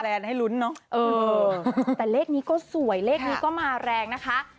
ให้ลุ้นเนอะเออแต่เลขนี้ก็สวยเลขนี้ก็มาแรงนะคะ